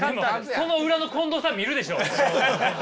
その裏の近藤さん見るでしょう多分。